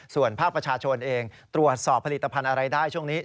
ส่วนภาคประชาชนเองตรวจสอบผลิตภัณฑ์อะไรได้ช่วงนี้